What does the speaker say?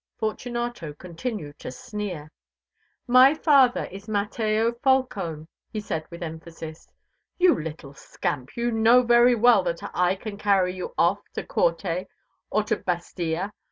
Fortunato continued to sneer. "My father is Mateo Falcone," said he with emphasis. "You little scamp, you know very well that I can carry you off to Corte or to Bastia.